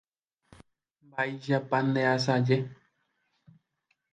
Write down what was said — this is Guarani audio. Mba'éichapa ndeasaje.